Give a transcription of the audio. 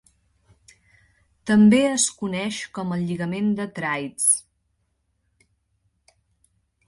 També es coneix com el lligament de Treitz.